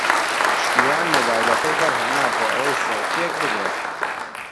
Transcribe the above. پشتیوان مۆبایلەکەی دەرهێنا بۆ ئەوەی سێڵفییەک بگرێت.